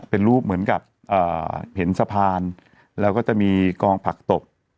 เป็นรูปเหมือนกับเห็นสะพานแล้วก็จะมีกองผักตก